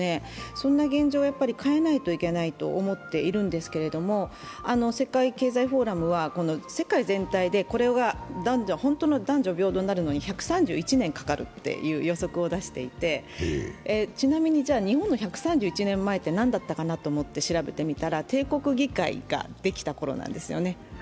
そんな現状を変えないといけないと思っているんですけれども、世界経済フォーラムは世界全体で本当の男女平等になるのに１３１年かかるという予測を出していて、ちなみに日本の１３１年前って何だったかなと思って調べてみたら帝国議会ができたころなんですよね。